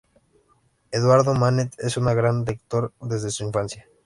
Eduardo Manet es un gran lector desde su infancia.